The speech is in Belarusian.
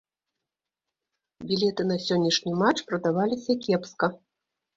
Білеты на сённяшні матч прадаваліся кепска.